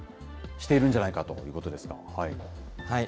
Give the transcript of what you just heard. しているんじゃないかということですか。